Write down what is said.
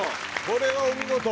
これはお見事！